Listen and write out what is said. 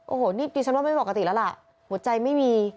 โอ้โหนี่ดิฉันว่าไม่ปกติแล้วล่ะหัวใจไม่มี